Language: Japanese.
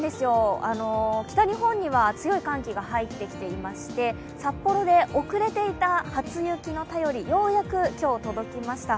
北日本には強い寒気が入ってきていまして札幌で遅れていた初雪の便り、ようやく今日届きました。